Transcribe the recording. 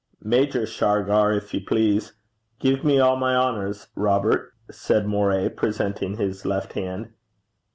'Major Shargar, if you please. Give me all my honours, Robert,' said Moray, presenting his left hand.